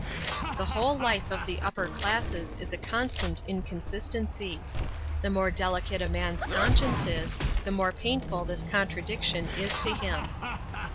The whole life of the upper classes is a constant inconsistency. The more delicate a man's conscience is, the more painful this contradiction is to him.